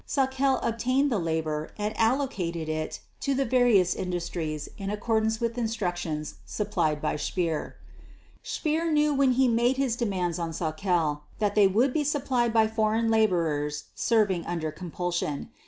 Sauckel obtained the labor and allocated it to the various industries in accordance with instructions supplied by Speer. Speer knew when he made his demands on Sauckel that they would be supplied by foreign laborers serving under compulsion.